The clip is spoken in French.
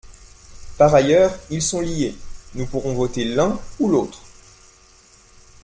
Par ailleurs, ils sont liés : nous pourrons voter l’un ou l’autre.